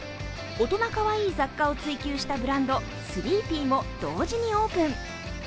大人カワイイ雑貨を追求したブランド、スリーピーも同時にオープン。